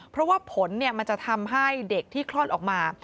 เพราะว่าผลมันจะทำให้เด็กที่คลอดออกมา